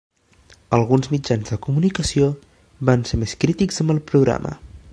Alguns mitjans de comunicació van ser més crítics amb el programa.